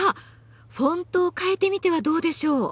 フォントを変えてみてはどうでしょう？